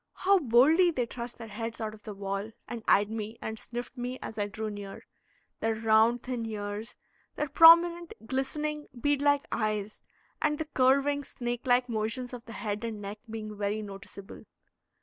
How boldly they thrust their heads out of the wall, and eyed me and sniffed me, as I drew near, their round, thin ears, their prominent, glistening, bead like eyes, and the curving, snake like motions of the head and neck being very noticeable.